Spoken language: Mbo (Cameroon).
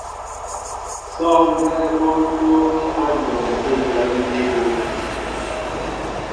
Sɔ́ɔŋ mbɛ́ɛ́ mɔ́ ń túúŋí á dyɔn tə̂ jǎn jí bú.